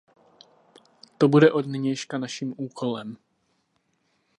To bude od nynějška naším úkolem.